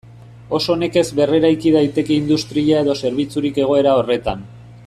Oso nekez berreraiki daiteke industria edo zerbitzurik egoera horretan.